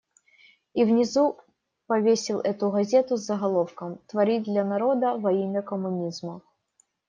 И внизу повесил эту газету с заголовком: «Творить для народа, во имя коммунизма».